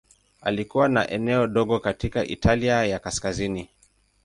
Alikuwa na eneo dogo katika Italia ya Kaskazini.